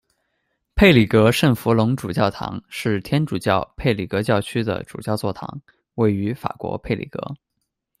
佩里格圣弗龙主教座堂是天主教佩里格教区的主教座堂，位于法国佩里格。